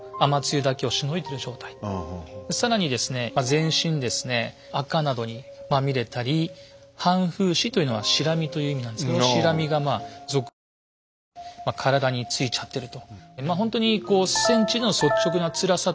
全身ですねあかなどにまみれたり「半風子」というのは「シラミ」という意味なんですけどシラミがまあ続々と体についちゃってると。